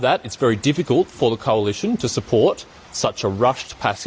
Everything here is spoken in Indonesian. untuk mendukung perjalanan dengan cepat